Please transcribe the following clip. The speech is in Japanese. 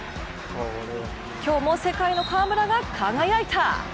今日も世界の河村が輝いた！